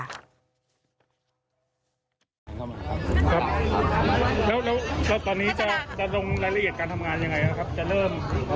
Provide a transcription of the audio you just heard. ถ้าเข้าขายไหมอ๋อว่ากันไปหลังหลังคุณชาดหวังนั่นก็ได้